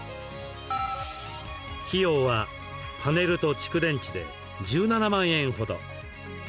費用はパネルと蓄電池で１７万円ほど。